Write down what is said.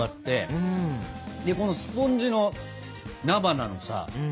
このスポンジの菜花のさ